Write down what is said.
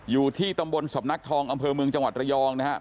อยู่ที่ตำบลสำนักทองอำเภอเมืองจังหวัดระยองนะครับ